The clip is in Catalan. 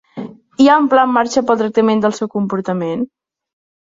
Hi ha un pla en marxa pel tractament del seu comportament?